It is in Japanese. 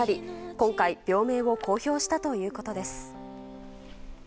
今回、病名を公表したということです。